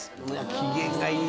機嫌いい！